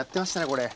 これ。